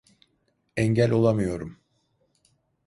Engel olamıyorum.